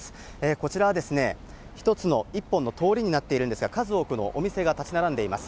こちらは１つの１本の通りになっているんですが、数多くのお店が建ち並んでいます。